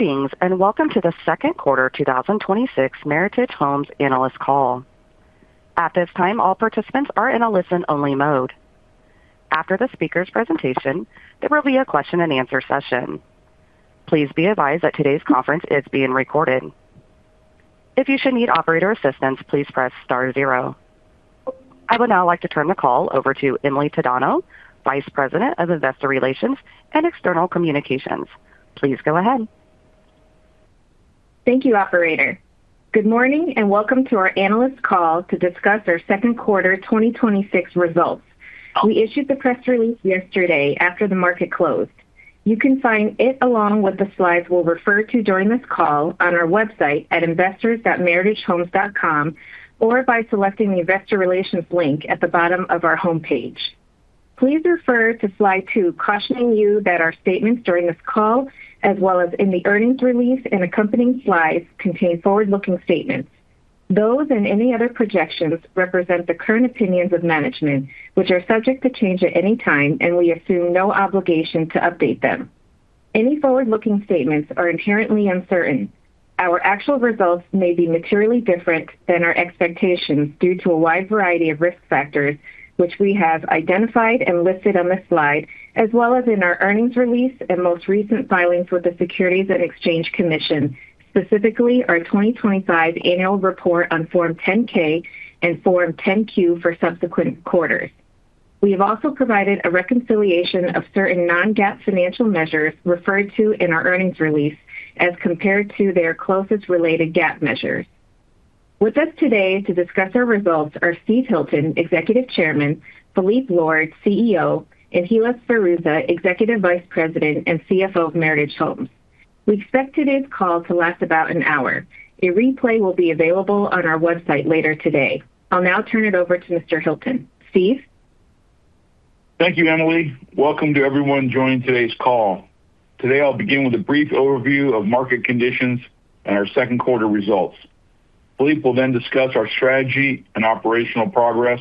Greetings. Welcome to the second quarter 2026 Meritage Homes analyst call. At this time, all participants are in a listen-only mode. After the speaker's presentation, there will be a question and answer session. Please be advised that today's conference is being recorded. If you should need operator assistance, please press star zero. I would now like to turn the call over to Emily Tadano, Vice President of Investor Relations and External Communications. Please go ahead. Thank you, operator. Good morning and welcome to our analyst call to discuss our second quarter 2026 results. We issued the press release yesterday after the market closed. You can find it, along with the slides we'll refer to during this call, on our website at investors.meritagehomes.com or by selecting the Investor Relations link at the bottom of our homepage. Please refer to slide two cautioning you that our statements during this call, as well as in the earnings release and accompanying slides, contain forward-looking statements. Those and any other projections represent the current opinions of management, which are subject to change at any time, and we assume no obligation to update them. Any forward-looking statements are inherently uncertain. Our actual results may be materially different than our expectations due to a wide variety of risk factors, which we have identified and listed on this slide, as well as in our earnings release and most recent filings with the Securities and Exchange Commission, specifically our 2025 annual report on Form 10-K and Form 10-Q for subsequent quarters. We have also provided a reconciliation of certain non-GAAP financial measures referred to in our earnings release as compared to their closest related GAAP measures. With us today to discuss our results are Steve Hilton, Executive Chairman, Phillippe Lord, CEO, and Hilla Sferruzza, Executive Vice President and CFO of Meritage Homes. We expect today's call to last about an hour. A replay will be available on our website later today. I'll now turn it over to Mr. Hilton. Steve? Thank you, Emily. Welcome to everyone joining today's call. Today, I'll begin with a brief overview of market conditions and our second quarter results. Phillippe will then discuss our strategy and operational progress,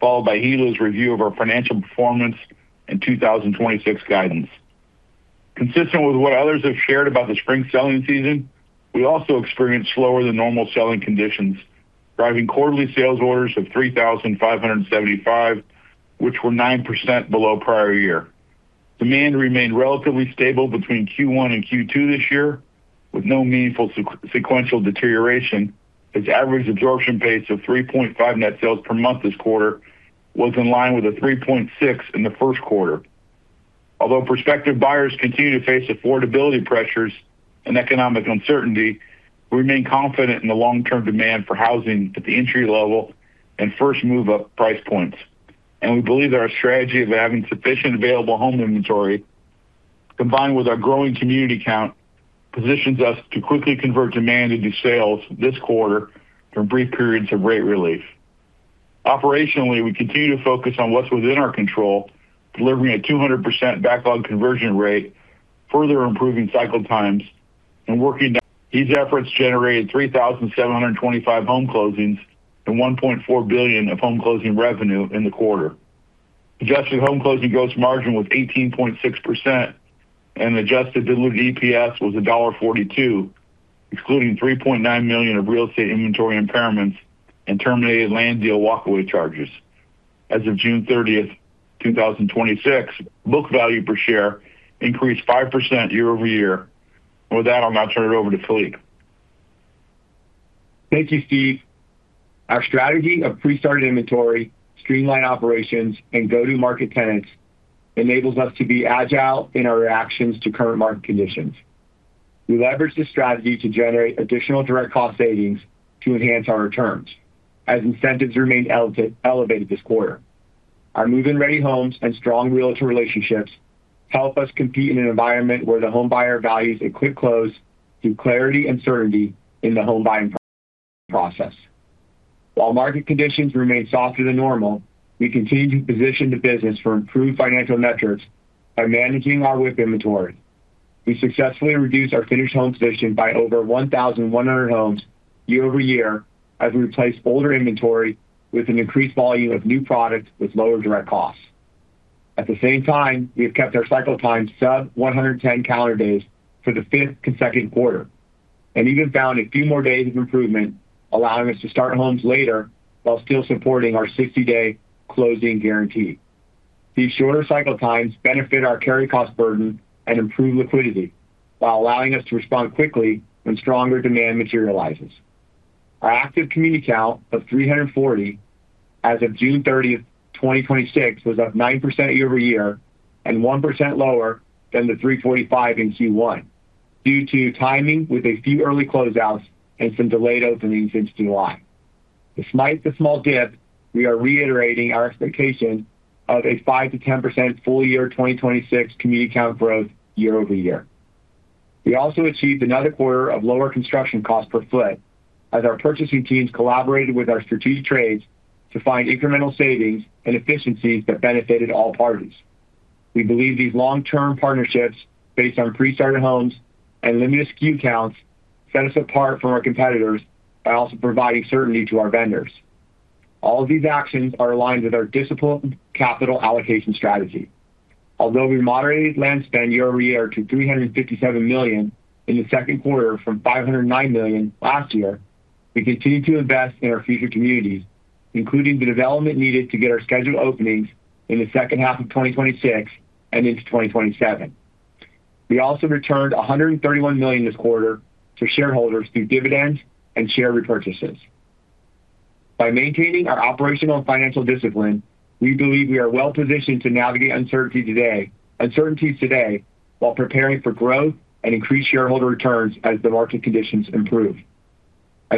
followed by Hilla's review of our financial performance and 2026 guidance. Consistent with what others have shared about the spring selling season, we also experienced slower than normal selling conditions, driving quarterly sales orders of 3,575, which were 9% below prior year. Demand remained relatively stable between Q1 and Q2 this year, with no meaningful sequential deterioration, as average absorption pace of 3.5 net sales per month this quarter was in line with the 3.6 in the first quarter. Although prospective buyers continue to face affordability pressures and economic uncertainty, we remain confident in the long-term demand for housing at the entry-level and first move-up price points. We believe that our strategy of having sufficient available home inventory, combined with our growing community count, positions us to quickly convert demand into sales this quarter from brief periods of rate relief. Operationally, we continue to focus on what's within our control, delivering a 200% backlog conversion rate, further improving cycle times, and working. These efforts generated 3,725 home closings and $1.4 billion of home closing revenue in the quarter. Adjusted home closing gross margin was 18.6%, and adjusted diluted EPS was $1.42, excluding $3.9 million of real estate inventory impairments and terminated land deal walkaway charges. As of June 30th, 2026, book value per share increased 5% year-over-year. With that, I'll now turn it over to Phillippe. Thank you, Steven. Our strategy of pre-started inventory, streamlined operations, and go-to-market tenets enables us to be agile in our reactions to current market conditions. We leverage this strategy to generate additional direct cost savings to enhance our returns as incentives remain elevated this quarter. Our move-in-ready homes and strong realtor relationships help us compete in an environment where the homebuyer values a quick close through clarity and certainty in the home-buying process. While market conditions remain softer than normal, we continue to position the business for improved financial metrics by managing our WIP inventory. We successfully reduced our finished home position by over 1,100 homes year-over-year as we replaced older inventory with an increased volume of new product with lower direct costs. At the same time, we have kept our cycle time sub 110 calendar days for the fifth consecutive quarter and even found a few more days of improvement, allowing us to start homes later while still supporting our 60-day closing guarantee. These shorter cycle times benefit our carry cost burden and improve liquidity while allowing us to respond quickly when stronger demand materializes. Our active community count of 340 as of June 30th, 2026, was up 9% year-over-year and 1% lower than the 345 in Q1 due to timing with a few early closeouts and some delayed openings since July. Despite the small dip, we are reiterating our expectation of a 5%-10% full year 2026 community count growth year-over-year. We also achieved another quarter of lower construction cost per foot as our purchasing teams collaborated with our strategic trades to find incremental savings and efficiencies that benefited all parties. We believe these long-term partnerships based on pre-started homes and limited SKU counts set us apart from our competitors by also providing certainty to our vendors. All of these actions are aligned with our disciplined capital allocation strategy. Although we moderated land spend year-over-year to $357 million in the second quarter from $509 million last year, we continue to invest in our future communities, including the development needed to get our scheduled openings in the second half of 2026 and into 2027. We also returned $131 million this quarter to shareholders through dividends and share repurchases. By maintaining our operational and financial discipline, we believe we are well positioned to navigate uncertainties today while preparing for growth and increased shareholder returns as the market conditions improve.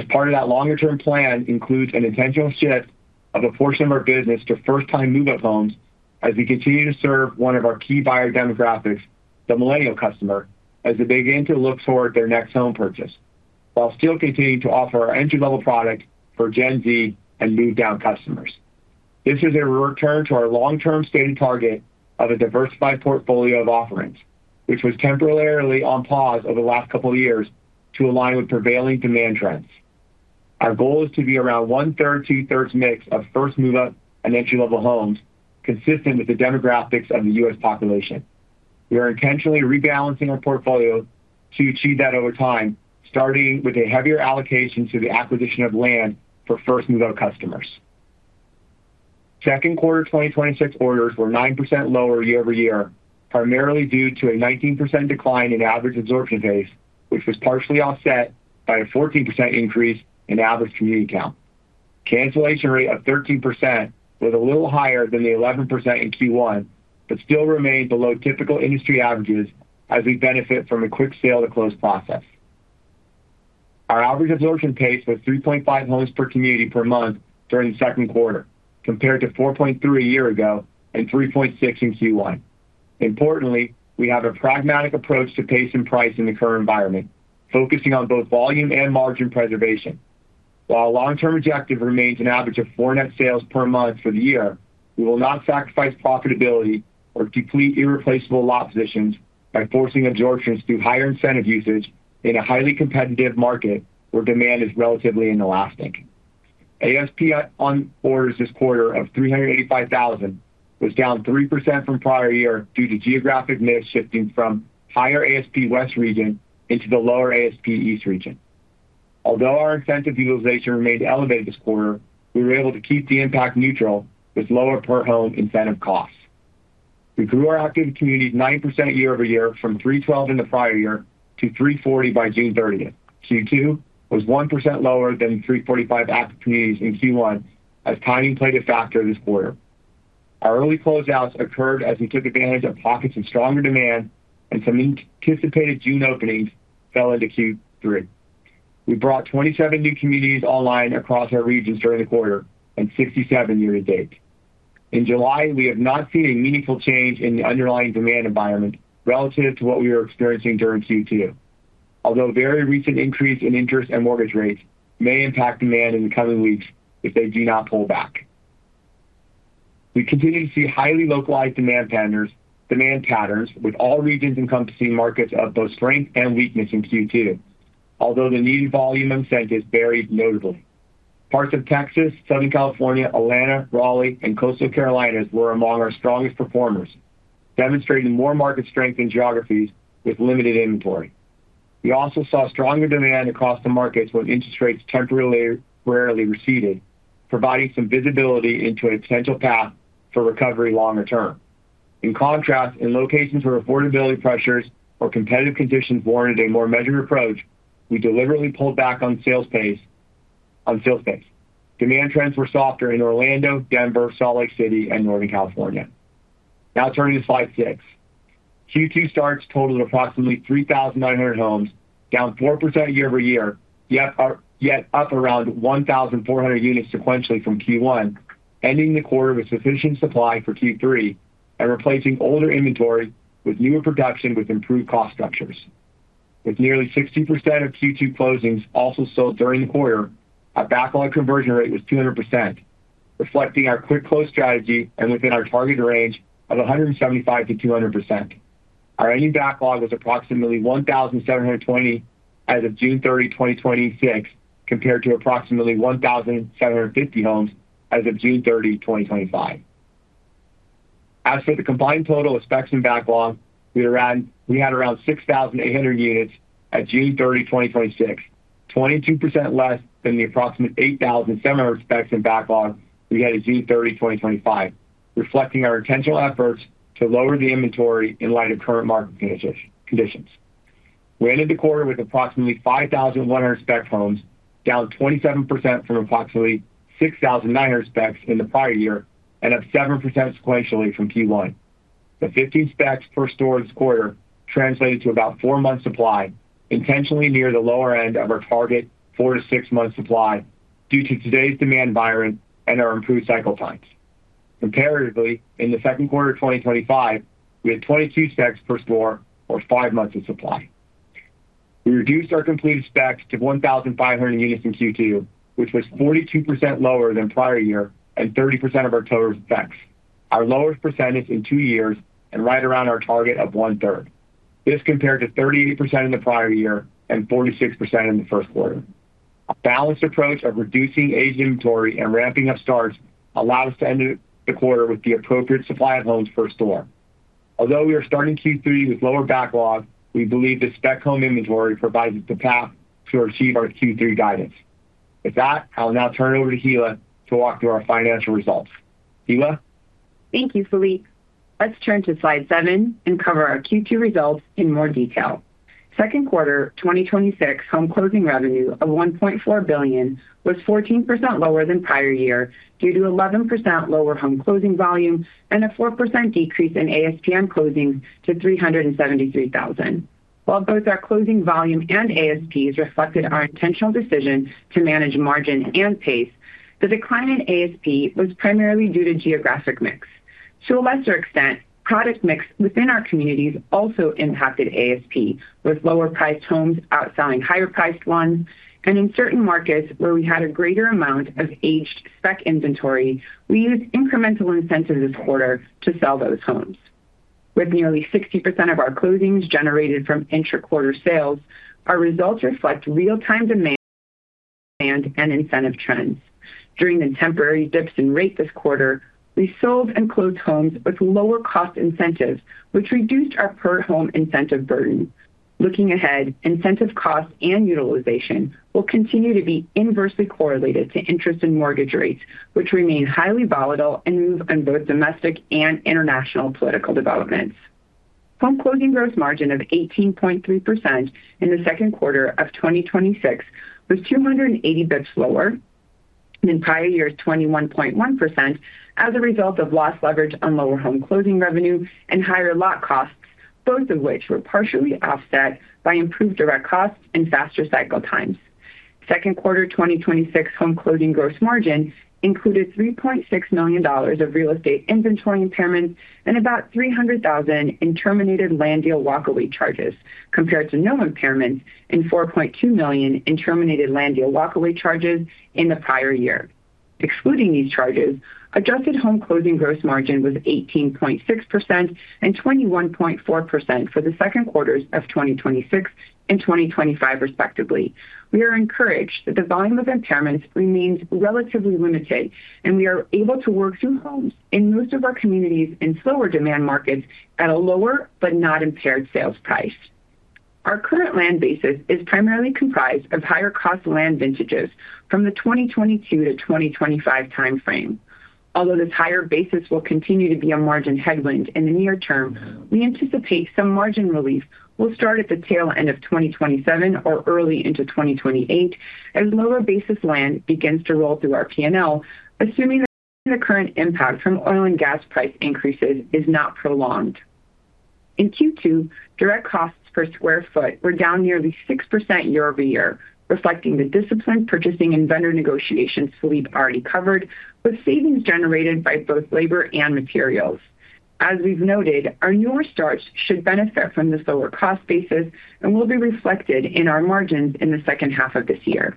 Part of that longer-term plan includes an intentional shift of a portion of our business to first-time move-up homes as we continue to serve one of our key buyer demographics, the Millennial customer, as they begin to look toward their next home purchase while still continuing to offer our entry-level product for Gen Z and move-down customers. This is a return to our long-term stated target of a diversified portfolio of offerings, which was temporarily on pause over the last couple of years to align with prevailing demand trends. Our goal is to be around one-third, two-thirds mix of first move-up and entry-level homes consistent with the demographics of the U.S. population. We are intentionally rebalancing our portfolio to achieve that over time, starting with a heavier allocation to the acquisition of land for first-move-up customers. Second quarter 2026 orders were 9% lower year-over-year, primarily due to a 19% decline in average absorption pace, which was partially offset by a 14% increase in average community count. Cancellation rate of 13% was a little higher than the 11% in Q1, but still remained below typical industry averages as we benefit from a quick sale to close process. Our average absorption pace was 3.5 homes per community per month during the second quarter, compared to 4.3 a year ago and 3.6 in Q1. Importantly, we have a pragmatic approach to pace and price in the current environment, focusing on both volume and margin preservation. While long-term objective remains an average of four net sales per month for the year, we will not sacrifice profitability or complete irreplaceable lot positions by forcing absorptions through higher incentive usage in a highly competitive market where demand is relatively inelastic. ASP on orders this quarter of $385,000 was down 3% from prior year due to geographic mix shifting from higher ASP West region into the lower ASP East region. Although our incentive utilization remained elevated this quarter, we were able to keep the impact neutral with lower per home incentive costs. We grew our active communities 9% year-over-year from 312 in the prior year to 340 by June 30th. Q2 was 1% lower than the 345 active communities in Q1 as timing played a factor this quarter. Our early closeouts occurred as we took advantage of pockets of stronger demand and some anticipated June openings fell into Q3. We brought 27 new communities online across our regions during the quarter and 67 year-to-date. In July, we have not seen a meaningful change in the underlying demand environment relative to what we were experiencing during Q2. Very recent increase in interest and mortgage rates may impact demand in the coming weeks if they do not pull back. We continue to see highly localized demand patterns with all regions encompassing markets of both strength and weakness in Q2, although the needed volume incentives varied notably. Parts of Texas, Southern California, Atlanta, Raleigh, and Coastal Carolinas were among our strongest performers, demonstrating more market strength in geographies with limited inventory. We also saw stronger demand across the markets when interest rates temporarily receded, providing some visibility into a potential path for recovery longer term. In contrast, in locations where affordability pressures or competitive conditions warranted a more measured approach, we deliberately pulled back on sales pace. Demand trends were softer in Orlando, Denver, Salt Lake City and Northern California. Now turning to slide seven. Q2 starts totaled approximately 3,900 homes, down 4% year-over-year, yet up around 1,400 units sequentially from Q1, ending the quarter with sufficient supply for Q3 and replacing older inventory with newer production with improved cost structures. With nearly 60% of Q2 closings also sold during the quarter, our backlog conversion rate was 200%, reflecting our quick close strategy and within our target range of 175%-200%. Our ending backlog was approximately 1,720 as of June 30, 2026, compared to approximately 1,750 homes as of June 30, 2025. As for the combined total of specs and backlog, we had around 6,800 units at June 30, 2026, 22% less than the approximate 8,700 specs and backlog we had at June 30, 2025, reflecting our intentional efforts to lower the inventory in light of current market conditions. We ended the quarter with approximately 5,100 spec homes, down 27% from approximately 6,900 specs in the prior year and up 7% sequentially from Q1. The 15 specs per store this quarter translated to about four months supply, intentionally near the lower end of our target four to six months supply due to today's demand environment and our improved cycle times. Comparatively, in the second quarter of 2025, we had 22 specs per store or five months of supply. We reduced our completed specs to 1,500 units in Q2, which was 42% lower than prior year and 30% of our total specs, our lowest percentage in two years and right around our target of one-third. This compared to 38% in the prior year and 46% in the first quarter. A balanced approach of reducing aged inventory and ramping up starts allowed us to end the quarter with the appropriate supply of homes for our store. Although we are starting Q3 with lower backlog, we believe the spec home inventory provides the path to achieve our Q3 guidance. With that, I will now turn it over to Hilla to walk through our financial results. Hilla? Thank you, Phillippe. Let's turn to slide seven and cover our Q2 results in more detail. Second quarter 2026 home closing revenue of $1.4 billion was 14% lower than prior year, due to 11% lower home closing volume and a 4% decrease in ASP on closings to $373,000. While both our closing volume and ASPs reflected our intentional decision to manage margin and pace, the decline in ASP was primarily due to geographic mix. To a lesser extent, product mix within our communities also impacted ASP, with lower priced homes outselling higher priced ones, and in certain markets where we had a greater amount of aged spec inventory, we used incremental incentives this quarter to sell those homes. With nearly 60% of our closings generated from intra-quarter sales, our results reflect real-time demand and incentive trends. During the temporary dips in rate this quarter, we sold and closed homes with lower cost incentives, which reduced our per home incentive burden. Looking ahead, incentive costs and utilization will continue to be inversely correlated to interest in mortgage rates, which remain highly volatile and move on both domestic and international political developments. Home closing gross margin of 18.3% in the second quarter of 2026 was 280 bps lower than prior year's 21.1% as a result of lost leverage on lower home closing revenue and higher lot costs, both of which were partially offset by improved direct costs and faster cycle times. Second quarter 2026 home closing gross margin included $3.6 million of real estate inventory impairments and about $300,000 in terminated land deal walk-away charges, compared to no impairments and $4.2 million in terminated land deal walk-away charges in the prior year. Excluding these charges, adjusted home closing gross margin was 18.6% and 21.4% for the second quarters of 2026 and 2025, respectively. We are encouraged that the volume of impairments remains relatively limited, and we are able to work through homes in most of our communities in slower demand markets at a lower but not impaired sales price. Our current land basis is primarily comprised of higher cost land vintages from the 2022-2025 timeframe. Although this higher basis will continue to be a margin headwind in the near term, we anticipate some margin relief will start at the tail end of 2027 or early into 2028 as lower basis land begins to roll through our P&L, assuming the current impact from oil and gas price increases is not prolonged. In Q2, direct costs per square foot were down nearly 6% year-over-year, reflecting the disciplined purchasing and vendor negotiations Phillippe already covered, with savings generated by both labor and materials. As we've noted, our newer starts should benefit from this lower cost basis and will be reflected in our margins in the second half of this year.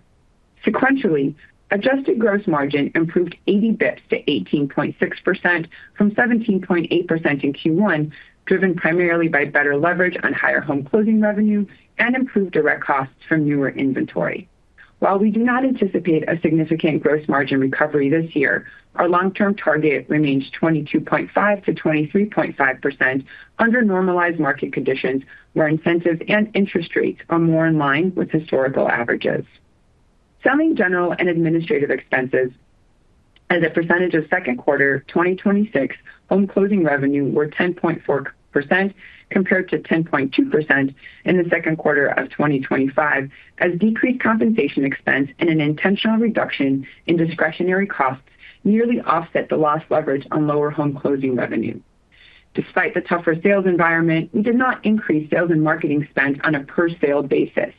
Sequentially, adjusted gross margin improved 80 bps to 18.6% from 17.8% in Q1, driven primarily by better leverage on higher home closing revenue and improved direct costs from newer inventory. While we do not anticipate a significant gross margin recovery this year, our long-term target remains 22.5%-23.5% under normalized market conditions, where incentives and interest rates are more in line with historical averages. Selling, general, and administrative expenses as a percentage of second quarter 2026 home closing revenue were 10.4% compared to 10.2% in the second quarter of 2025, as decreased compensation expense and an intentional reduction in discretionary costs nearly offset the lost leverage on lower home closing revenue. Despite the tougher sales environment, we did not increase sales and marketing spend on a per sale basis.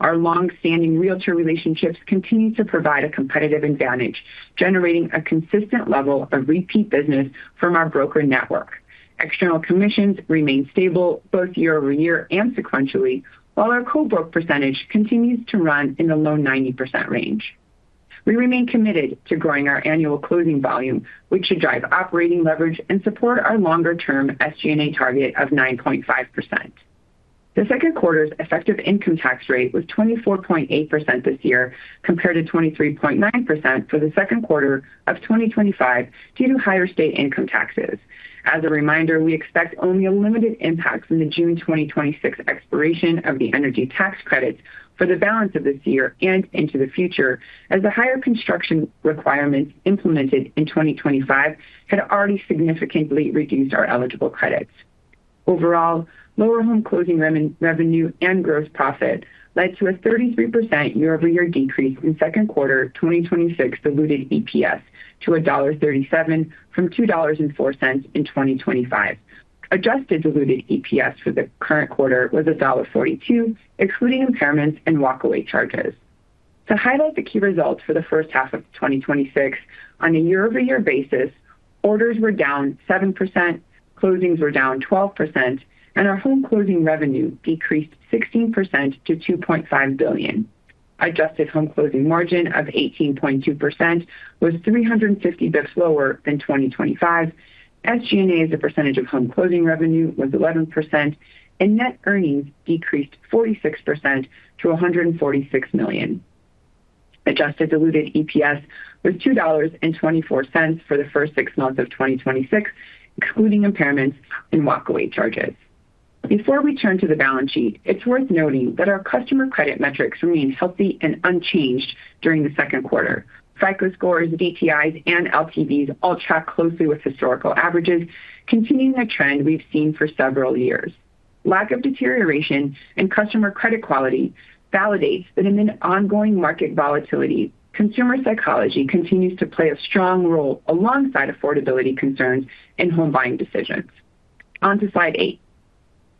Our longstanding realtor relationships continue to provide a competitive advantage, generating a consistent level of repeat business from our broker network. External commissions remain stable both year-over-year and sequentially, while our co-broke percentage continues to run in the low 90% range. We remain committed to growing our annual closing volume, which should drive operating leverage and support our longer-term SG&A target of 9.5%. The second quarter's effective income tax rate was 24.8% this year, compared to 23.9% for the second quarter of 2025 due to higher state income taxes. As a reminder, we expect only a limited impact from the June 2026 expiration of the energy tax credits for the balance of this year and into the future, as the higher construction requirements implemented in 2025 had already significantly reduced our eligible credits. Overall, lower home closing revenue and gross profit led to a 33% year-over-year decrease in second quarter 2026 diluted EPS to $1.37 from $2.04 in 2025. Adjusted diluted EPS for the current quarter was $1.42, excluding impairments and walk-away charges. To highlight the key results for the first half of 2026, on a year-over-year basis, orders were down 7%, closings were down 12%, and our home closing revenue decreased 16% to $2.5 billion. Adjusted home closing margin of 18.2% was 350 basis points lower than 2025. SG&A as a percentage of home closing revenue was 11%, and net earnings decreased 46% to $146 million. Adjusted diluted EPS was $2.24 for the first six months of 2026, including impairments and walk-away charges. Before we turn to the balance sheet, it's worth noting that our customer credit metrics remained healthy and unchanged during the second quarter. FICO scores, DTI, and LTV all track closely with historical averages, continuing a trend we've seen for several years. Lack of deterioration in customer credit quality validates that amid ongoing market volatility, consumer psychology continues to play a strong role alongside affordability concerns in home buying decisions. On to slide eight.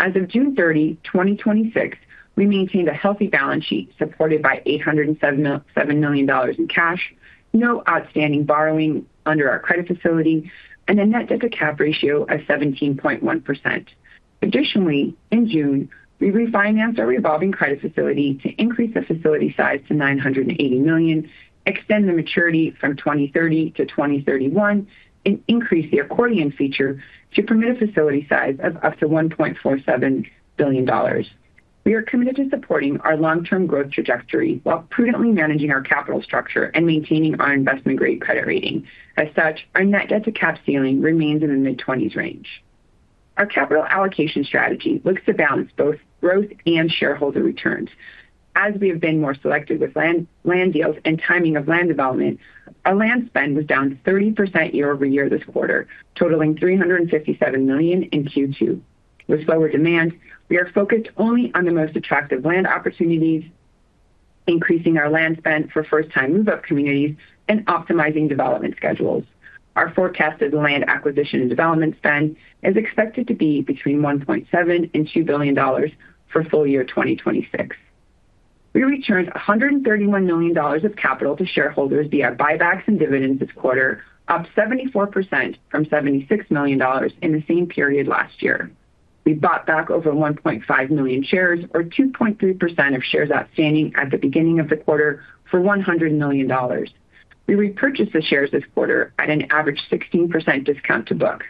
As of June 30, 2026, we maintained a healthy balance sheet supported by $807 million in cash, no outstanding borrowing under our credit facility, and a net debt to cap ratio of 17.1%. Additionally, in June, we refinanced our revolving credit facility to increase the facility size to $980 million, extend the maturity from 2030 to 2031, and increase the accordion feature to permit a facility size of up to $1.47 billion. We are committed to supporting our long-term growth trajectory while prudently managing our capital structure and maintaining our investment-grade credit rating. As such, our net debt to cap ceiling remains in the mid-20s range. Our capital allocation strategy looks to balance both growth and shareholder returns. As we have been more selective with land deals and timing of land development, our land spend was down 30% year-over-year this quarter, totaling $357 million in Q2. With lower demand, we are focused only on the most attractive land opportunities, increasing our land spend for first-time move-up communities and optimizing development schedules. Our forecasted land acquisition and development spend is expected to be between $1.7 billion and $2 billion for full year 2026. We returned $131 million of capital to shareholders via buybacks and dividends this quarter, up 74% from $76 million in the same period last year. We bought back over 1.5 million shares or 2.3% of shares outstanding at the beginning of the quarter for $100 million. We repurchased the shares this quarter at an average 16% discount to book.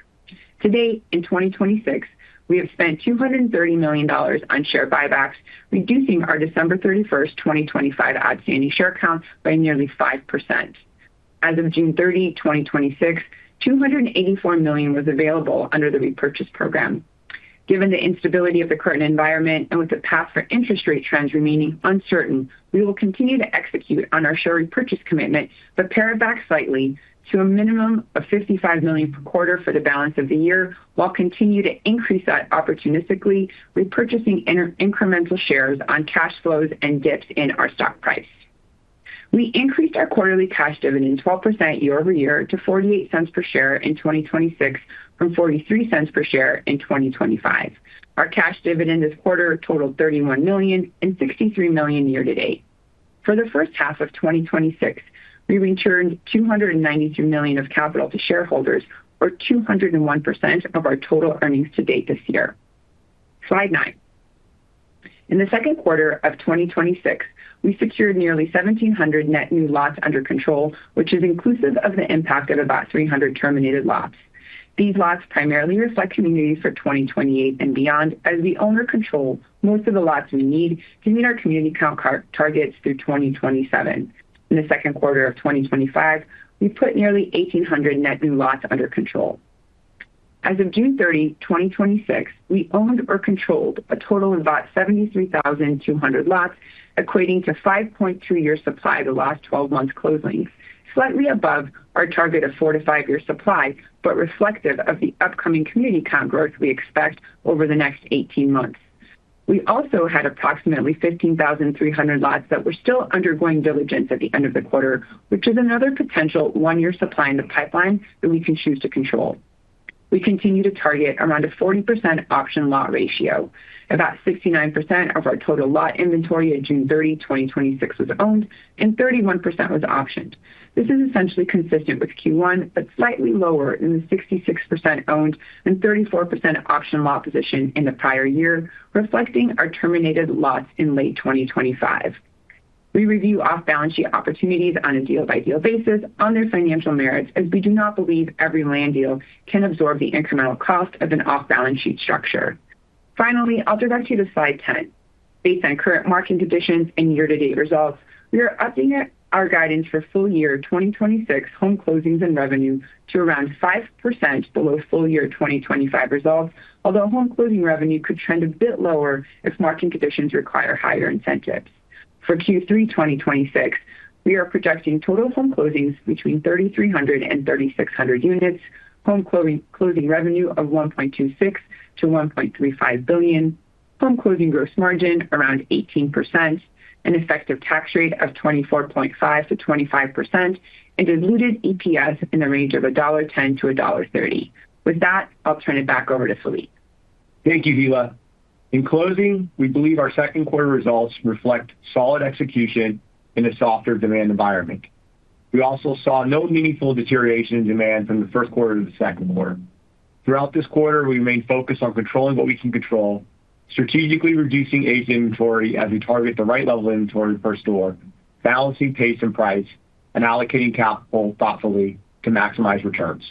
To date, in 2026, we have spent $230 million on share buybacks, reducing our December 31st, 2025 outstanding share count by nearly 5%. As of June 30, 2026, $284 million was available under the repurchase program. Given the instability of the current environment and with the path for interest rate trends remaining uncertain, we will continue to execute on our share repurchase commitment, but pare it back slightly to a minimum of $55 million per quarter for the balance of the year while continue to increase that opportunistically, repurchasing incremental shares on cash flows and dips in our stock price. We increased our quarterly cash dividend 12% year-over-year to $0.48 per share in 2026 from $0.43 per share in 2025. Our cash dividend this quarter totaled $31 million and $63 million year to date. For the first half of 2026, we returned $292 million of capital to shareholders or 201% of our total earnings to date this year. Slide nine. In the second quarter of 2026, we secured nearly 1,700 net new lots under control, which is inclusive of the impact of about 300 terminated lots. These lots primarily reflect communities for 2028 and beyond, as we own or control most of the lots we need to meet our community count targets through 2027. In the second quarter of 2025, we put nearly 1,800 net new lots under control. As of June 30, 2026, we owned or controlled a total of about 73,200 lots, equating to 5.2-year supply to last 12 months closings, slightly above our target of four to five-year supply, but reflective of the upcoming community count growth we expect over the next 18 months. We also had approximately 15,300 lots that were still undergoing diligence at the end of the quarter, which is another potential one-year supply in the pipeline that we can choose to control. We continue to target around a 40% option lot ratio. About 69% of our total lot inventory at June 30, 2026 was owned and 31% was optioned. This is essentially consistent with Q1, but slightly lower than the 66% owned and 34% option lot position in the prior year, reflecting our terminated lots in late 2025. We review off-balance sheet opportunities on a deal-by-deal basis on their financial merits, as we do not believe every land deal can absorb the incremental cost of an off-balance sheet structure. Finally, I'll direct you to Slide 10. Based on current market conditions and year-to-date results, we are upping our guidance for full year 2026 home closings and revenue to around 5% below full year 2025 results. Although home closing revenue could trend a bit lower if market conditions require higher incentives. For Q3 2026, we are projecting total home closings between 3,300 and 3,600 units, home closing revenue of $1.26 billion to $1.35 billion, home closing gross margin around 18%, an effective tax rate of 24.5%-25%, and diluted EPS in the range of $1.10 to $1.30. With that, I'll turn it back over to Phillippe. Thank you, Hilla. In closing, we believe our second quarter results reflect solid execution in a softer demand environment. We also saw no meaningful deterioration in demand from the first quarter to the second quarter. Throughout this quarter, we remained focused on controlling what we can control, strategically reducing aged inventory as we target the right level of inventory per store, balancing pace and price, and allocating capital thoughtfully to maximize returns.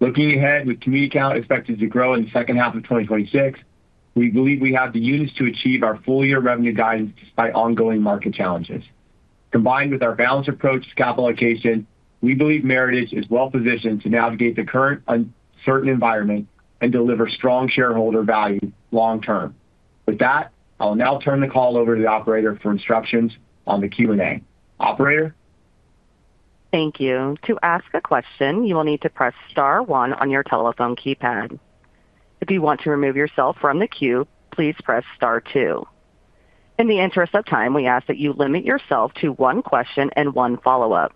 Looking ahead, with community count expected to grow in the second half of 2026, we believe we have the units to achieve our full-year revenue guidance despite ongoing market challenges. Combined with our balanced approach to capital allocation, we believe Meritage is well-positioned to navigate the current uncertain environment and deliver strong shareholder value long-term. With that, I'll now turn the call over to the operator for instructions on the Q&A. Operator? Thank you. To ask a question, you will need to press star one on your telephone keypad. If you want to remove yourself from the queue, please press star two. In the interest of time, we ask that you limit yourself to one question and one follow-up.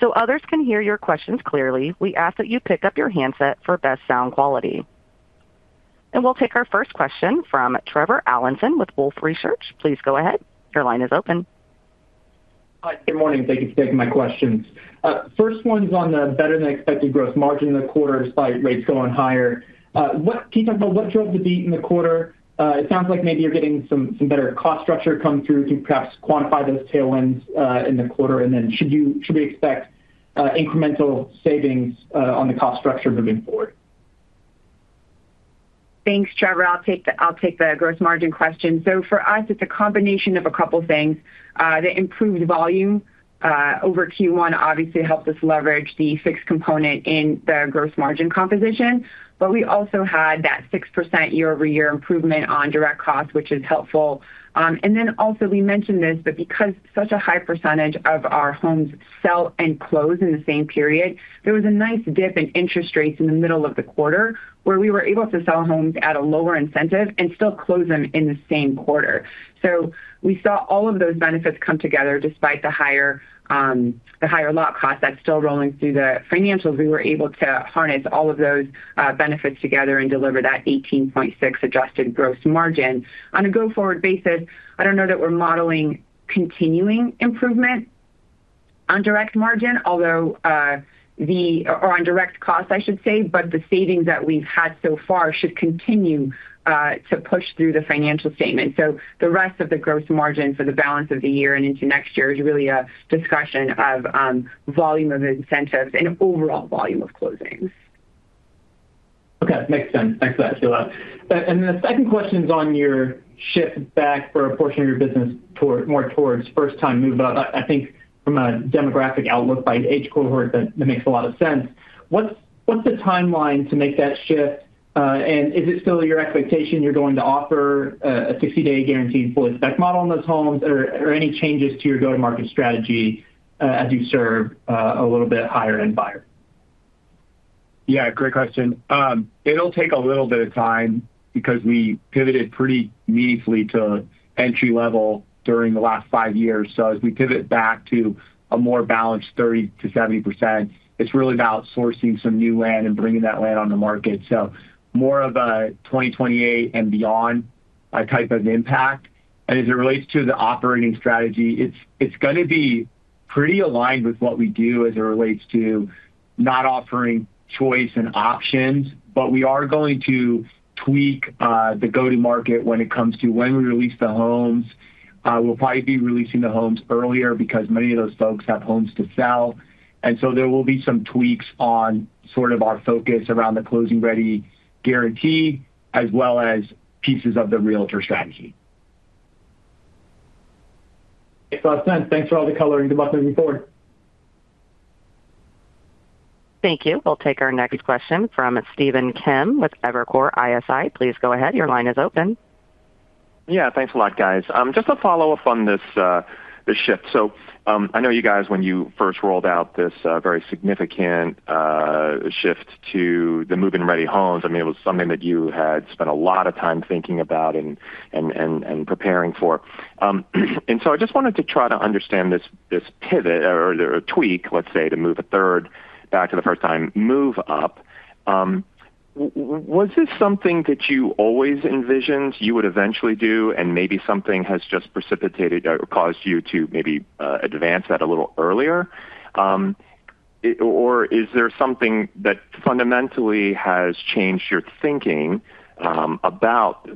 Others can hear your questions clearly, we ask that you pick up your handset for best sound quality. We'll take our first question from Trevor Allinson with Wolfe Research. Please go ahead. Your line is open. Hi. Good morning. Thank you for taking my questions. First one's on the better-than-expected gross margin in the quarter despite rates going higher. Can you talk about what drove the beat in the quarter? It sounds like maybe you're getting some better cost structure coming through. Can you perhaps quantify those tailwinds in the quarter, should we expect incremental savings on the cost structure moving forward? Thanks, Trevor. I'll take the gross margin question. For us, it's a combination of a couple things. The improved volume over Q1 obviously helped us leverage the fixed component in the gross margin composition. We also had that 6% year-over-year improvement on direct costs, which is helpful. Also, we mentioned this, because such a high percentage of our homes sell and close in the same period, there was a nice dip in interest rates in the middle of the quarter where we were able to sell homes at a lower incentive and still close them in the same quarter. We saw all of those benefits come together despite the higher lot cost that's still rolling through the financials. We were able to harness all of those benefits together and deliver that 18.6 adjusted gross margin. On a go-forward basis, I don't know that we're modeling continuing improvement on direct margin, although or on direct costs, I should say, but the savings that we've had so far should continue to push through the financial statement. The rest of the gross margin for the balance of the year and into next year is really a discussion of volume of incentives and overall volume of closings. Okay. Makes sense. Thanks for that, Hilla. The second question's on your shift back for a portion of your business more towards first-time move-up. I think from a demographic outlook by age cohort, that makes a lot of sense. What's the timeline to make that shift? Is it still your expectation you're going to offer a 60-day guaranteed full spec model on those homes? Any changes to your go-to-market strategy as you serve a little bit higher-end buyer? Yeah, great question. It'll take a little bit of time because we pivoted pretty meaningfully to entry-level during the last five years. As we pivot back to a more balanced 30%-70%, it's really about sourcing some new land and bringing that land on the market. More of a 2028 and beyond type of impact. As it relates to the operating strategy, it's going to be pretty aligned with what we do as it relates to not offering choice and options. We are going to tweak the go-to-market when it comes to when we release the homes. We'll probably be releasing the homes earlier because many of those folks have homes to sell. There will be some tweaks on sort of our focus around the closing-ready guarantee, as well as pieces of the realtor strategy. Makes a lot of sense. Thanks for all the color into Buffalo report. Thank you. We'll take our next question from Stephen Kim with Evercore ISI. Please go ahead. Your line is open. Yeah. Thanks a lot, guys. Just a follow-up on this shift. I know you guys, when you first rolled out this very significant shift to the move-in-ready homes, it was something that you had spent a lot of time thinking about and preparing for. I just wanted to try to understand this pivot, or tweak, let's say, to move a third back to the first-time move-up. Was this something that you always envisioned you would eventually do and maybe something has just precipitated or caused you to maybe advance that a little earlier? Or is there something that fundamentally has changed your thinking about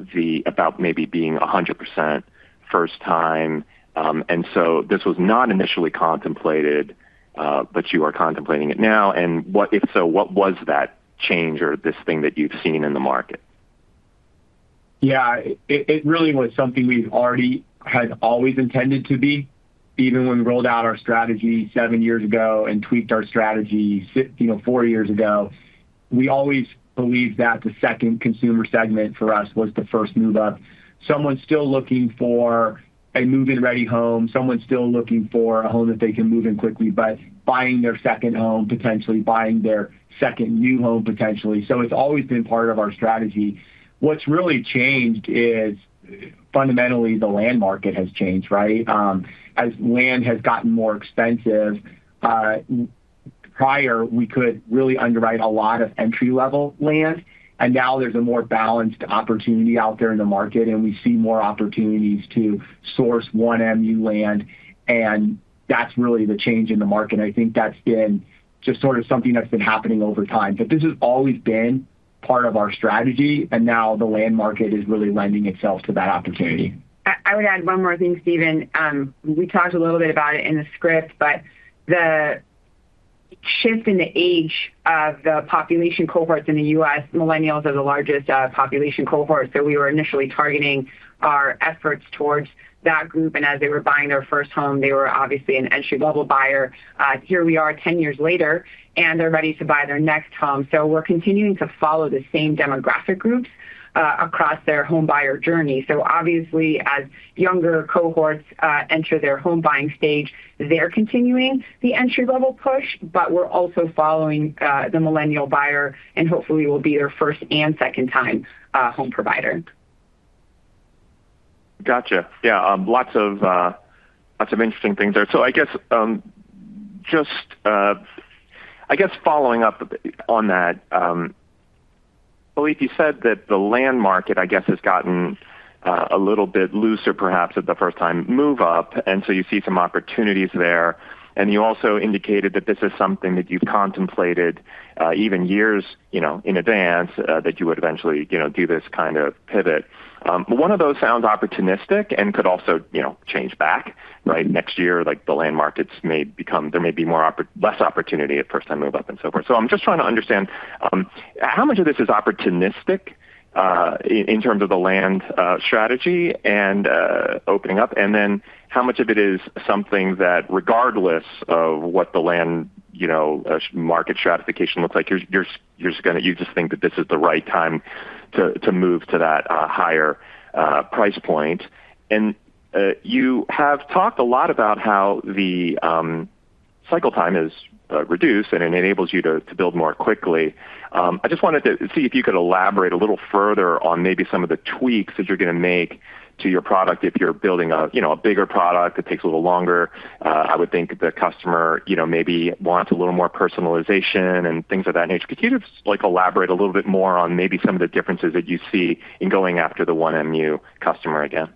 maybe being 100% first time, this was not initially contemplated, but you are contemplating it now? If so, what was that change or this thing that you've seen in the market? Yeah. It really was something we already had always intended to be, even when we rolled out our strategy seven years ago and tweaked our strategy four years ago. We always believed that the second consumer segment for us was the first move-up. Someone still looking for a move-in-ready home, someone still looking for a home that they can move in quickly, but buying their second home, potentially buying their second new home, potentially. It's always been part of our strategy. What's really changed is fundamentally the land market has changed, right? As land has gotten more expensive. Prior, we could really underwrite a lot of entry-level land, and now there's a more balanced opportunity out there in the market, and we see more opportunities to source MU-1 land, that's really the change in the market. I think that's been just sort of something that's been happening over time. This has always been part of our strategy, now the land market is really lending itself to that opportunity. I would add one more thing, Stephen. We talked a little bit about it in the script, but the shift in the age of the population cohorts in the U.S., Millennials are the largest population cohort. We were initially targeting our efforts towards that group, and as they were buying their first home, they were obviously an entry-level buyer. Here we are 10 years later, and they're ready to buy their next home. We're continuing to follow the same demographic groups across their homebuyer journey. Obviously, as younger cohorts enter their home buying stage, they're continuing the entry-level push, but we're also following the Millennial buyer, and hopefully we'll be their first and second-time home provider. Gotcha. Yeah. Lots of interesting things there. I guess following up on that, Phillippe said that the land market, I guess, has gotten a little bit looser perhaps at the first-time move-up, you see some opportunities there, and you also indicated that this is something that you've contemplated even years in advance that you would eventually do this kind of pivot. One of those sounds opportunistic and could also change back. Right. Next year, the land markets there may be less opportunity at first-time move-up and so forth. I'm just trying to understand how much of this is opportunistic, in terms of the land strategy and opening up, and then how much of it is something that regardless of what the land market stratification looks like, you just think that this is the right time to move to that higher price point. You have talked a lot about how the cycle time is reduced, and it enables you to build more quickly. I just wanted to see if you could elaborate a little further on maybe some of the tweaks that you're going to make to your product if you're building a bigger product that takes a little longer. I would think the customer maybe wants a little more personalization and things of that nature. Could you just elaborate a little bit more on maybe some of the differences that you see in going after the MU-1 customer again?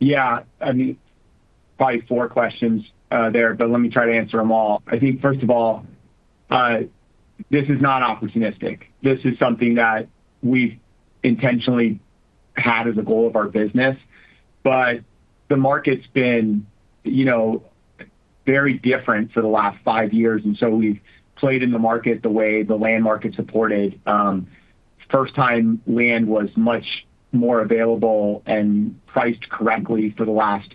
Yeah. Probably four questions there. Let me try to answer them all. I think, first of all, this is not opportunistic. This is something that we've intentionally had as a goal of our business. The market's been very different for the last five years. We've played in the market the way the land market supported. First-time land was much more available and priced correctly for the last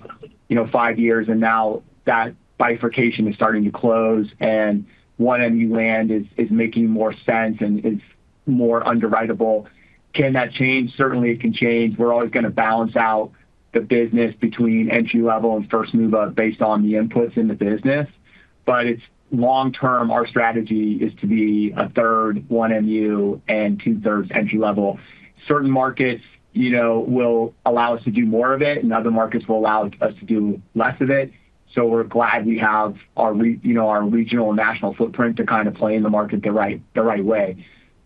five years. Now that bifurcation is starting to close. One MU land is making more sense and is more underwritable. Can that change? Certainly, it can change. We're always going to balance out the business between entry level and first move-up based on the inputs in the business. Long-term, our strategy is to be a third one MU and two-thirds entry level. Certain markets will allow us to do more of it, and other markets will allow us to do less of it. We're glad we have our regional and national footprint to kind of play in the market the right way.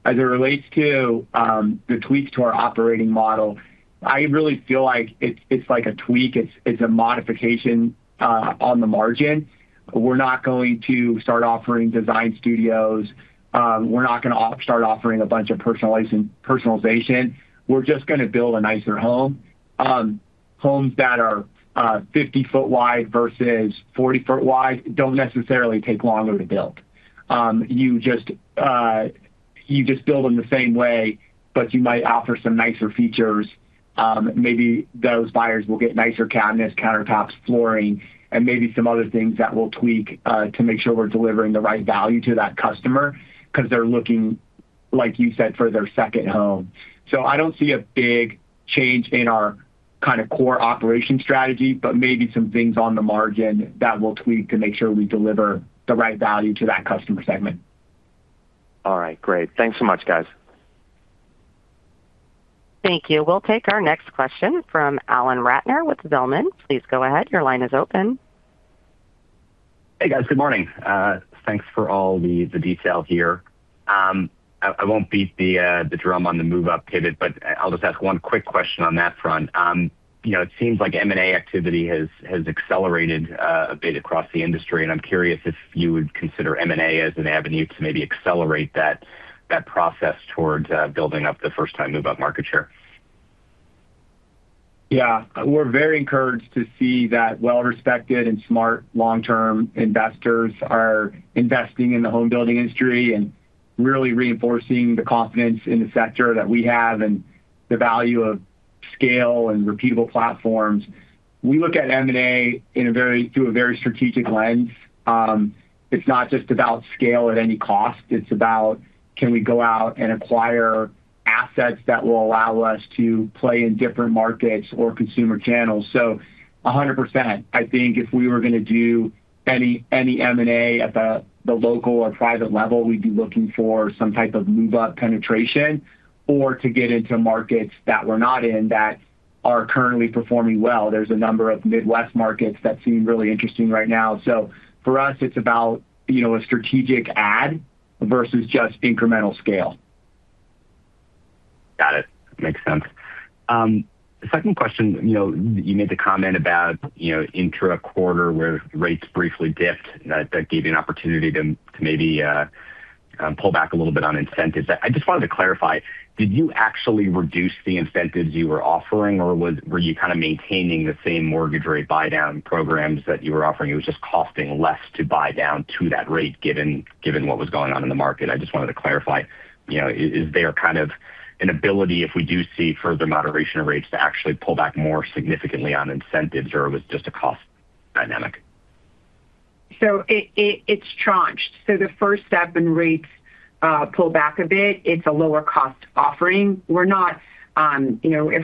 As it relates to the tweaks to our operating model, I really feel like it's like a tweak. It's a modification on the margin. We're not going to start offering design studios. We're not going to start offering a bunch of personalization. We're just going to build a nicer home. Homes that are 50 foot wide versus 40 foot wide don't necessarily take longer to build. You just build them the same way, but you might offer some nicer features. Maybe those buyers will get nicer cabinets, countertops, flooring, and maybe some other things that we'll tweak to make sure we're delivering the right value to that customer because they're looking, like you said, for their second home. I don't see a big change in our kind of core operation strategy, but maybe some things on the margin that we'll tweak to make sure we deliver the right value to that customer segment. All right. Great. Thanks so much, guys. Thank you. We'll take our next question from Alan Ratner with Zelman. Please go ahead. Your line is open. Hey, guys. Good morning. Thanks for all the detail here. I won't beat the drum on the move-up pivot, I'll just ask one quick question on that front. It seems like M&A activity has accelerated a bit across the industry, I'm curious if you would consider M&A as an avenue to maybe accelerate that process towards building up the first-time move-up market share. Yeah. We're very encouraged to see that well-respected and smart long-term investors are investing in the home building industry and really reinforcing the confidence in the sector that we have and the value of scale and repeatable platforms. We look at M&A through a very strategic lens. It's not just about scale at any cost. It's about can we go out and acquire assets that will allow us to play in different markets or consumer channels. 100%, I think if we were going to do any M&A at the local or private level, we'd be looking for some type of move-up penetration or to get into markets that we're not in that are currently performing well. There's a number of Midwest markets that seem really interesting right now. For us, it's about a strategic ad versus just incremental scale. Got it. Makes sense. Second question. You made the comment about intra-quarter where rates briefly dipped, that gave you an opportunity to maybe pull back a little bit on incentives. I just wanted to clarify, did you actually reduce the incentives you were offering, or were you kind of maintaining the same mortgage rate buydown programs that you were offering, it was just costing less to buy down to that rate given what was going on in the market? I just wanted to clarify. Is there kind of an ability, if we do see further moderation of rates, to actually pull back more significantly on incentives, or it was just a cost dynamic? It's tranched. The first step when rates pull back a bit, it's a lower cost offering. If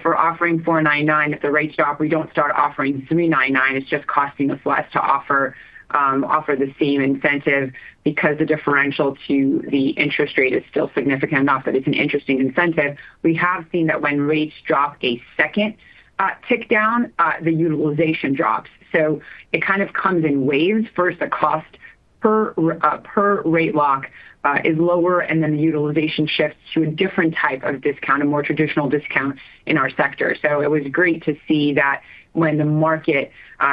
we're offering 499 if the rates drop, we don't start offering 399. It's just costing us less to offer the same incentive because the differential to the interest rate is still significant, not that it's an interesting incentive. We have seen that when rates drop a second tick down, the utilization drops. It kind of comes in waves. First, the cost per rate lock is lower, and then the utilization shifts to a different type of discount, a more traditional discount in our sector. It was great to see that when the market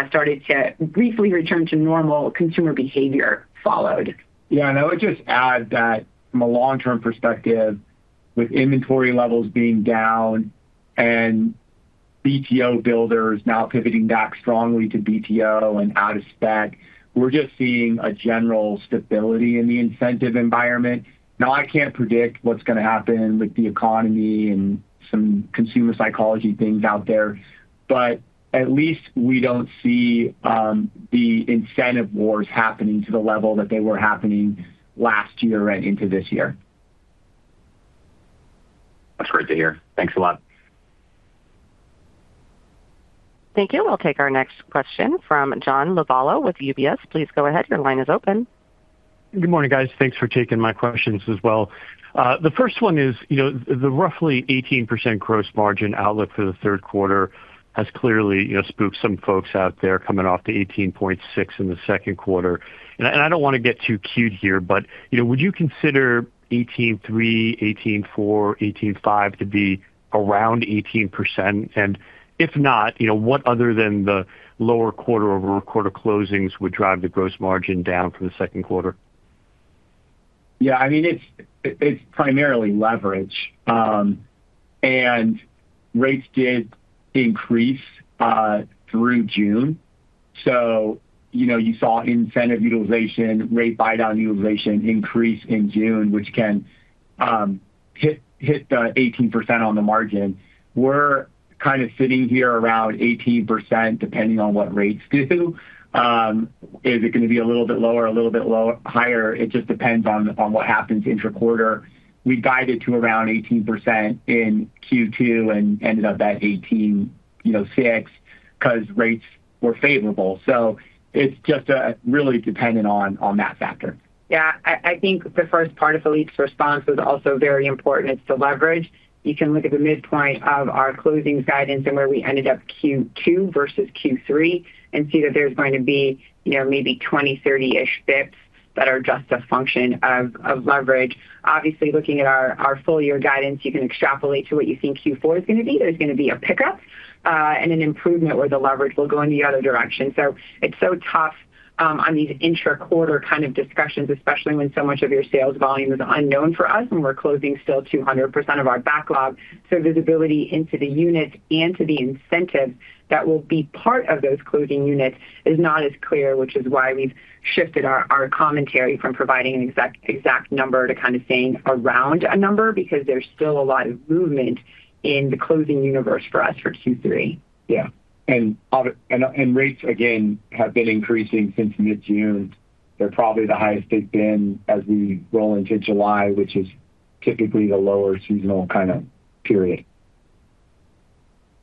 started to briefly return to normal, consumer behavior followed. I would just add that from a long-term perspective, with inventory levels being down and BTO builders now pivoting back strongly to BTO and out of spec, we're just seeing a general stability in the incentive environment. I can't predict what's going to happen with the economy and some consumer psychology things out there, but at least we don't see the incentive wars happening to the level that they were happening last year and into this year. That's great to hear. Thanks a lot. Thank you. We'll take our next question from John Lovallo with UBS. Please go ahead. Your line is open. Good morning, guys. Thanks for taking my questions as well. The first one is, the roughly 18% gross margin outlook for the third quarter has clearly spooked some folks out there coming off the 18.6% in the second quarter. I don't want to get too cute here, but would you consider 18.3%, 18.4%, 18.5% to be around 18%? If not, what other than the lower quarter-over-quarter closings would drive the gross margin down for the second quarter? Yeah, it's primarily leverage. Rates did increase through June. You saw incentive utilization, rate buydown utilization increase in June, which can hit the 18% on the margin. We're kind of sitting here around 18%, depending on what rates do. Is it going to be a little bit lower or a little bit higher? It just depends on what happens intra-quarter. We guided to around 18% in Q2 and ended up at 18.6% because rates were favorable. It's just really dependent on that factor. Yeah. I think the first part of Phillippe's response was also very important. It's the leverage. You can look at the midpoint of our closing guidance and where we ended up Q2 versus Q3 and see that there's going to be maybe 20, 30-ish basis points that are just a function of leverage. Obviously, looking at our full-year guidance, you can extrapolate to what you think Q4 is going to be. There's going to be a pickup and an improvement where the leverage will go in the other direction. It's so tough on these intra-quarter kind of discussions, especially when so much of your sales volume is unknown for us, and we're closing still 200% of our backlog. Visibility into the units and to the incentive that will be part of those closing units is not as clear, which is why we've shifted our commentary from providing an exact number to kind of saying around a number, because there's still a lot of movement in the closing universe for us for Q3. Yeah. Rates, again, have been increasing since mid-June. They're probably the highest they've been as we roll into July, which is typically the lower seasonal kind of period.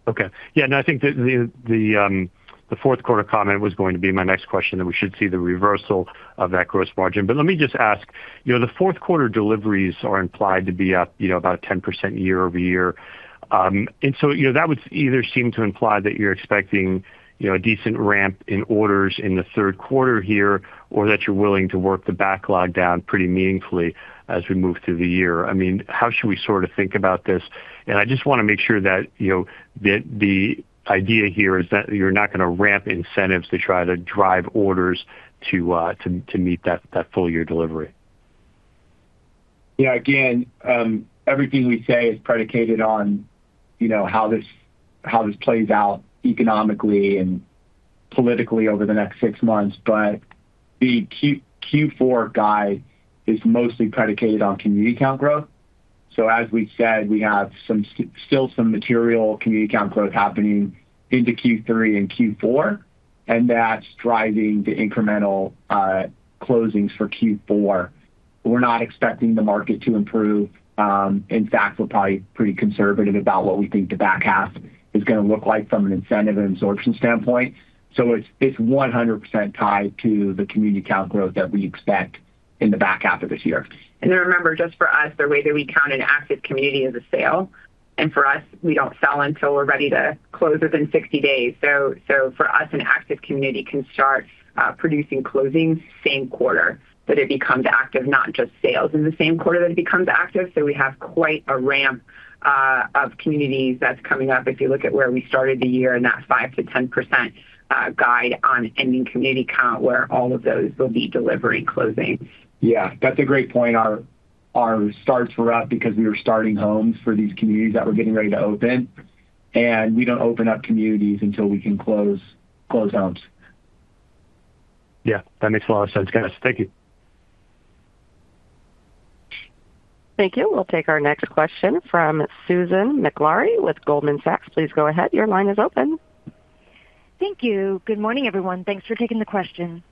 Okay. Yeah, no, I think the fourth quarter comment was going to be my next question, that we should see the reversal of that gross margin. Let me just ask, the fourth quarter deliveries are implied to be up about 10% year-over-year. That would either seem to imply that you're expecting a decent ramp in orders in the third quarter here, or that you're willing to work the backlog down pretty meaningfully as we move through the year. How should we sort of think about this? I just want to make sure that the idea here is that you're not going to ramp incentives to try to drive orders to meet that full-year delivery. Yeah. Again, everything we say is predicated on how this plays out economically and politically over the next six months. The Q4 guide is mostly predicated on community count growth. As we said, we have still some material community count growth happening into Q3 and Q4, and that's driving the incremental closings for Q4. We're not expecting the market to improve. In fact, we're probably pretty conservative about what we think the back half is going to look like from an incentive and absorption standpoint. It's 100% tied to the community count growth that we expect in the back half of this year. Remember, just for us, the way that we count an active community is a sale. For us, we don't sell until we're ready to close within 60 days. For us, an active community can start producing closings same quarter that it becomes active, not just sales in the same quarter that it becomes active. We have quite a ramp of communities that's coming up if you look at where we started the year and that 5%-10% guide on ending community count, where all of those will be delivery closings. Yeah. That's a great point. Our starts were up because we were starting homes for these communities that we're getting ready to open, and we don't open up communities until we can close homes. Yeah. That makes a lot of sense, guys. Thank you. Thank you. We'll take our next question from Susan Maklari with Goldman Sachs. Please go ahead. Your line is open. Thank you. Good morning, everyone. Thanks for taking the question.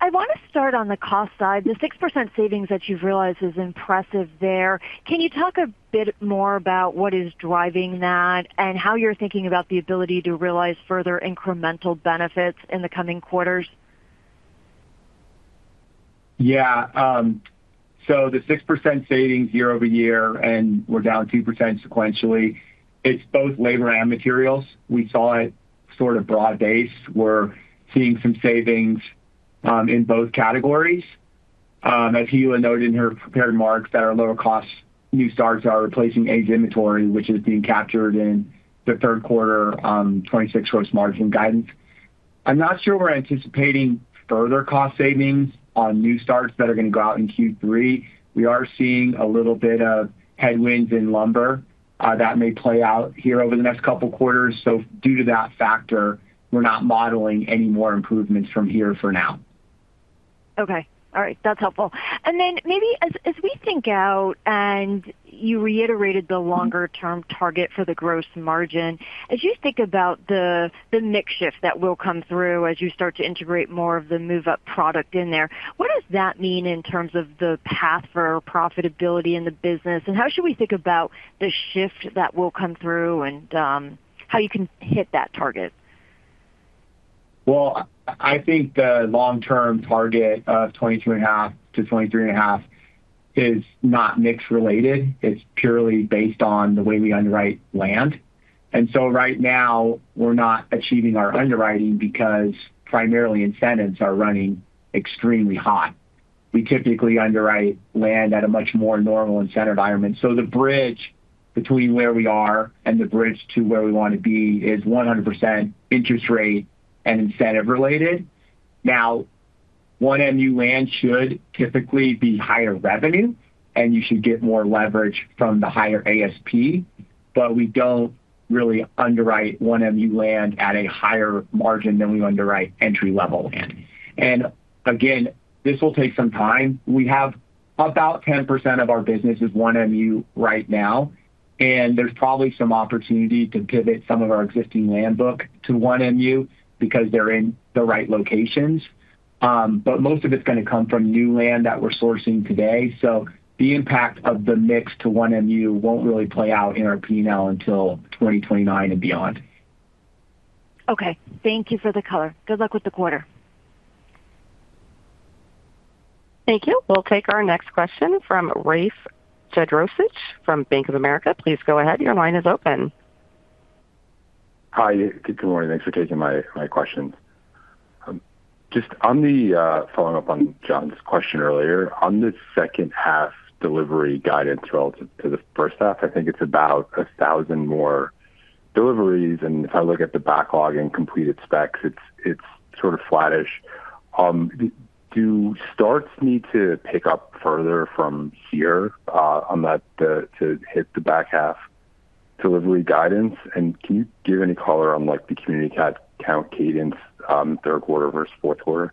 I want to start on the cost side. The 6% savings that you've realized is impressive there. Can you talk a bit more about what is driving that and how you're thinking about the ability to realize further incremental benefits in the coming quarters? Yeah. The 6% savings year-over-year, and we're down 2% sequentially, it's both labor and materials. We saw it sort of broad-based. We're seeing some savings in both categories. As Hilla noted in her prepared remarks, that our lower cost new starts are replacing aged inventory, which is being captured in the third quarter 2026 gross margin guidance. I'm not sure we're anticipating further cost savings on new starts that are going to go out in Q3. We are seeing a little bit of headwinds in lumber that may play out here over the next couple quarters. Due to that factor, we're not modeling any more improvements from here for now. Okay. All right. That's helpful. Maybe as we think out, and you reiterated the longer-term target for the gross margin, as you think about the mix shift that will come through as you start to integrate more of the move-up product in there, what does that mean in terms of the path for profitability in the business, and how should we think about the shift that will come through and how you can hit that target? I think the long-term target of 22.5%-23.5% is not mix related. It's purely based on the way we underwrite land. Right now, we're not achieving our underwriting because primarily incentives are running extremely hot. We typically underwrite land at a much more normal incentive environment. The bridge between where we are and the bridge to where we want to be is 100% interest rate and incentive related. 1 MU land should typically be higher revenue, and you should get more leverage from the higher ASP, but we don't really underwrite 1 MU land at a higher margin than we underwrite entry-level land. Again, this will take some time. We have about 10% of our business is 1 MU right now, and there's probably some opportunity to pivot some of our existing land book to 1 MU because they're in the right locations. Most of it's going to come from new land that we're sourcing today. The impact of the mix to 1 MU won't really play out in our P&L until 2029 and beyond. Okay. Thank you for the color. Good luck with the quarter. Thank you. We'll take our next question from Rafe Jadrosich from Bank of America. Please go ahead. Your line is open. Hi. Good morning. Thanks for taking my questions. Following up on John's question earlier, on the second half delivery guidance relative to the first half, I think it's about 1,000 more deliveries. If I look at the backlog and completed specs, it's sort of flattish. Do starts need to pick up further from here to hit the back half delivery guidance? Can you give any color on the community count cadence third quarter versus fourth quarter?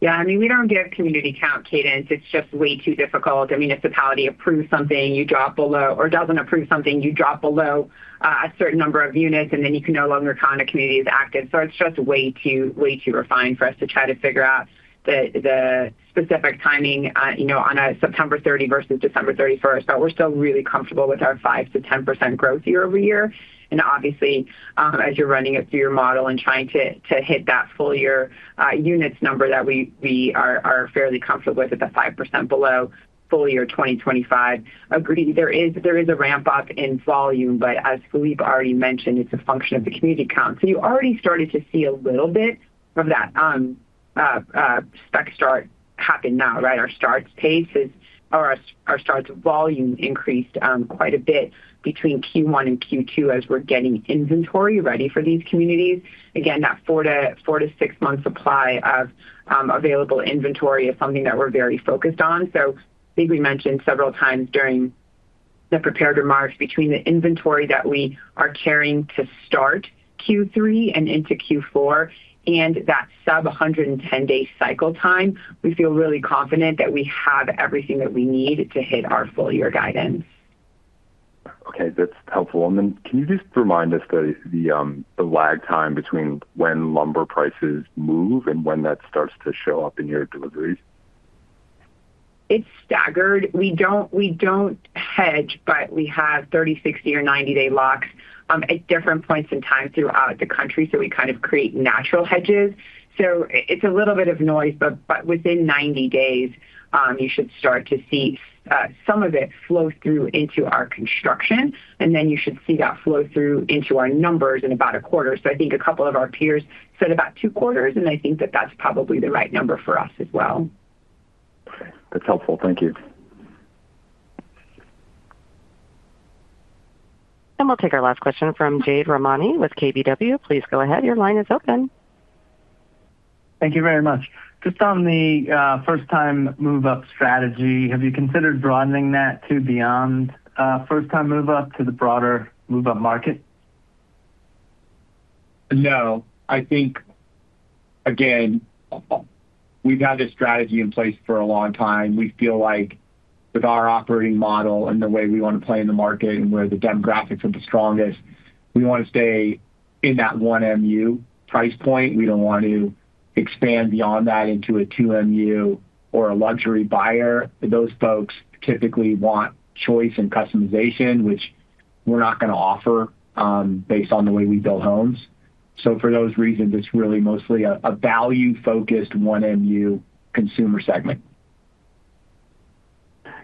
Yeah, we don't give community count cadence. It's just way too difficult. A municipality approves something, you drop below, or doesn't approve something, you drop below a certain number of units, then you can no longer count a community as active. It's just way too refined for us to try to figure out the specific timing on a September 30 versus December 31st. We're still really comfortable with our 5%-10% growth year-over-year. Obviously, as you're running it through your model and trying to hit that full year units number that we are fairly comfortable with at the 5% below full year 2025. Agree, there is a ramp-up in volume. As Phillippe already mentioned, it's a function of the community count. You already started to see a little bit of that spec start happen now, right? Our starts volume increased quite a bit between Q1 and Q2 as we are getting inventory ready for these communities. Again, that four to six month supply of available inventory is something that we are very focused on. I think we mentioned several times during the prepared remarks between the inventory that we are carrying to start Q3 and into Q4 and that sub 110-day cycle time, we feel really confident that we have everything that we need to hit our full year guidance. Okay. That's helpful. Can you just remind us the lag time between when lumber prices move and when that starts to show up in your deliveries? It's staggered. We don't hedge, but we have 30, 60, or 90-day locks at different points in time throughout the country, we kind of create natural hedges. It's a little bit of noise, but within 90 days, you should start to see some of it flow through into our construction, and then you should see that flow through into our numbers in about a quarter. I think a couple of our peers said about two quarters, and I think that that's probably the right number for us as well. Okay. That's helpful. Thank you. We'll take our last question from Jade Rahmani with KBW. Please go ahead. Your line is open. Thank you very much. Just on the first time move-up strategy, have you considered broadening that to beyond first time move-up to the broader move-up market? No. I think, again, we've had this strategy in place for a long time. We feel like with our operating model and the way we want to play in the market and where the demographics are the strongest, we want to stay in that one MU price point. We don't want to expand beyond that into a two MU or a luxury buyer. Those folks typically want choice and customization, which we're not going to offer based on the way we build homes. For those reasons, it's really mostly a value-focused one MU consumer segment.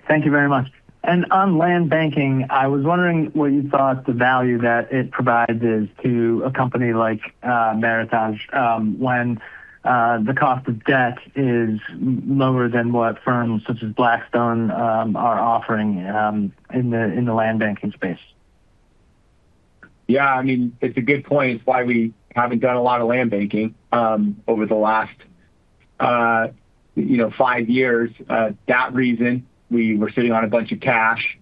Thank you very much. On land banking, I was wondering what you thought the value that it provides is to a company like Meritage when the cost of debt is lower than what firms such as Blackstone are offering in the land banking space. Yeah, it's a good point. It's why we haven't done a lot of land banking over the last five years. That reason, we were sitting on a bunch of cash,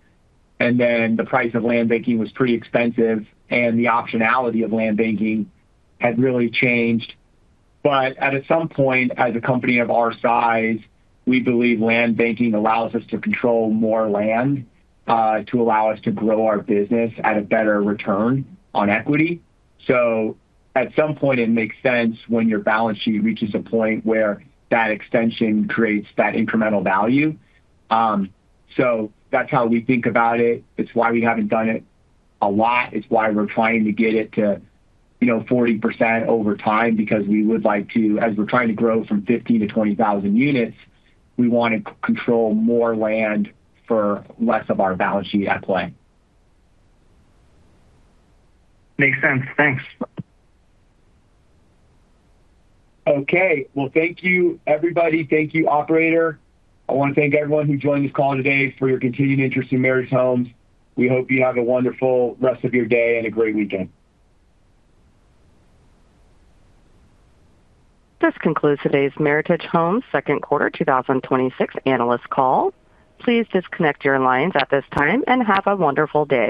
and then the price of land banking was pretty expensive, and the optionality of land banking had really changed. At some point, as a company of our size, we believe land banking allows us to control more land to allow us to grow our business at a better return on equity. At some point it makes sense when your balance sheet reaches a point where that extension creates that incremental value. That's how we think about it. It's why we haven't done it a lot. It's why we're trying to get it to 40% over time because we would like to, as we're trying to grow from 15 to 20,000 units, we want to control more land for less of our balance sheet at play. Makes sense. Thanks. Okay. Well, thank you, everybody. Thank you, operator. I want to thank everyone who joined this call today for your continued interest in Meritage Homes. We hope you have a wonderful rest of your day and a great weekend. This concludes today's Meritage Homes second quarter 2026 analyst call. Please disconnect your lines at this time and have a wonderful day.